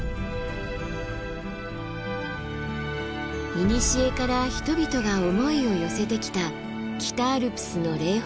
いにしえから人々が思いを寄せてきた北アルプスの霊峰・立山です。